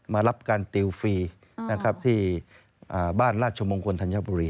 มารับการติวฟรีที่บ้านราชมงคลธัญพุรี